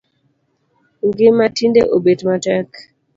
Ngima tinde obet matek